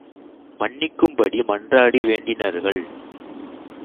மன்னிக்கும்படி மன்றாடி வேண்டினர்கள்.